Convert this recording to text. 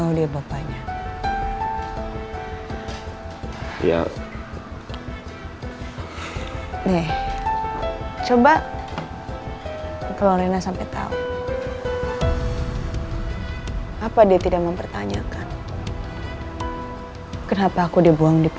udah jarangnya ngomong